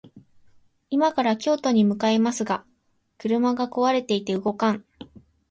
今から京都に向かいますが、車が壊れていて動かん